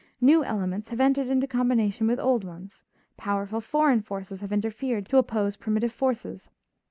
New elements have entered into combination with old ones; powerful foreign forces have interfered to oppose primitive forces.